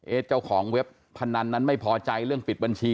เจ้าของเว็บพนันนั้นไม่พอใจเรื่องปิดบัญชี